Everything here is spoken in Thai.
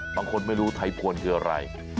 บางคนไม่รู้ไทยพลคืออะไร